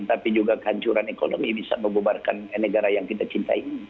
tapi juga kehancuran ekonomi bisa membubarkan negara yang kita cintai ini